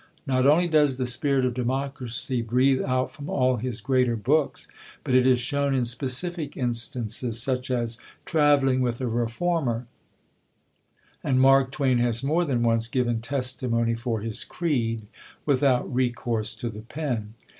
Not only does the spirit of democracy breathe out from all his greater books, but it is shown in specific instances, such as Travelling with a Reformer; and Mark Twain has more than once given testimony for his creed, without recourse to the pen.